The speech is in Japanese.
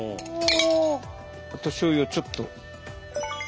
あとしょうゆをちょっと。